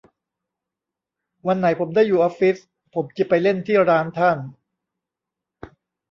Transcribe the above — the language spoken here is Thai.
วันไหนผมได้อยู่ออฟฟิศผมจิไปเล่นที่ร้านท่าน